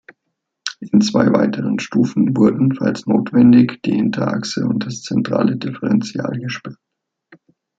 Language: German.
In zwei weiteren Stufen wurden, falls notwendig, die Hinterachse und das zentrale Differential gesperrt.